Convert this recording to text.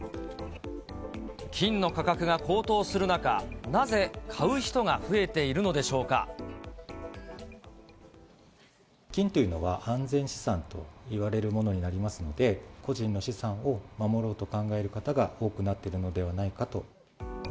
金の価格が高騰する中、なぜ、金というのは安全資産といわれるものになりますので、個人の資産を守ろうと考える方が多くなっているのではないかと。